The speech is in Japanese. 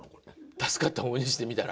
助かった方にしてみたら？